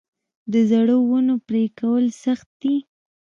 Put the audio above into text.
د زړو ونو پرې کول سخت دي؟